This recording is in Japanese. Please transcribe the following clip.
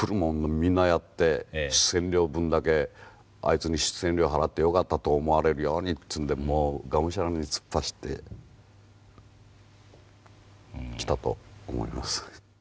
みんなやって出演料分だけあいつに出演料払ってよかったと思われるようにっつうんでもうがむしゃらに突っ走ってきたと思います。